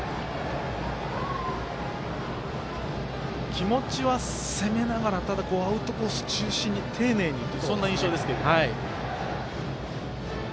気持ちは攻めながら、ただアウトコース中心に丁寧にそんな印象ですけども。